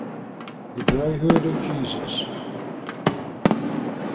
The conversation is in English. THE BOYHOOD OF JESUS.